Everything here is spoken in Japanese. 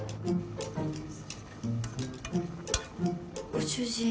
ご主人。